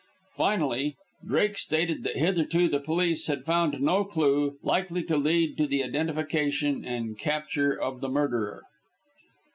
Finally, Drake stated that hitherto the police had found no clue likely to lead to the identification and capture of the murderer.